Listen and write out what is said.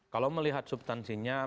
kalau melihat subtansinya